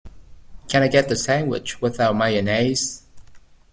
Can I get the sandwich without mayonnaise?